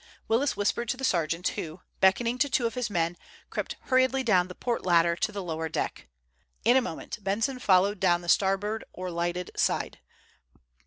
Willis whispered to the sergeant, who, beckoning to two of his men, crept hurriedly down the port ladder to the lower deck. In a moment Benson followed down the starboard or lighted side.